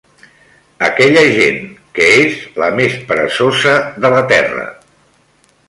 Aquella gent, que és la més peresosa de la terra…